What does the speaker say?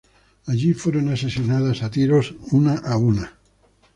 Allí fueron asesinadas a tiros una a una.